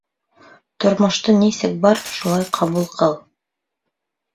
Тормошто нисек бар - шулай ҡабул ҡыл.